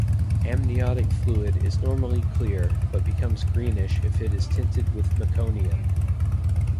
Amniotic fluid is normally clear, but becomes greenish if it is tinted with meconium.